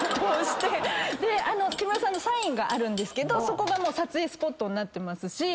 木村さんのサインがあるけどそこが撮影スポットになってますし。